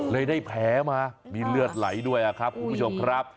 ได้แผลมามีเลือดไหลด้วยครับคุณผู้ชมครับ